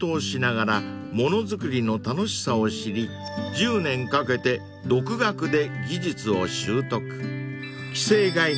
［１０年かけて独学で技術を習得］